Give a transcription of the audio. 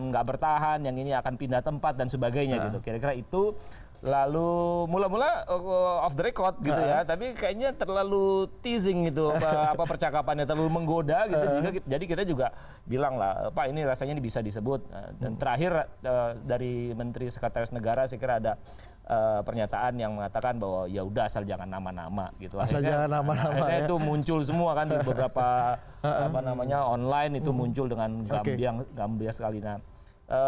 yang gak bertahan yang ini akan pindah tempat dan sebagainya gitu kira kira itu lalu mula mula off the record gitu ya tapi kayaknya terlalu teasing gitu apa percakapannya terlalu menggoda gitu jadi kita juga bilang lah pak ini rasanya ini bisa disebut dan terakhir dari menteri sekretaris negara saya kira ada pernyataan yang mengatakan bahwa yaudah asal jangan nama nama gitu akhirnya itu muncul semua kan di beberapa namanya online itu muncul dengan gambir gambir sekali nah